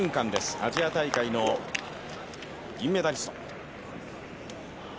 アジア大会の銀メダリスト。